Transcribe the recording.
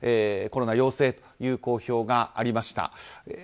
コロナ陽性という公表がありました。